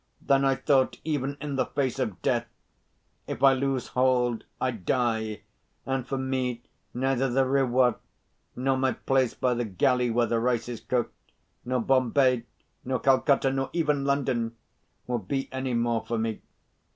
Then I thought, even in the face of death: If I lose hold I die, and for me neither the Rewah nor my place by the galley where the rice is cooked, nor Bombay, nor Calcutta, nor even London, will be any more for me.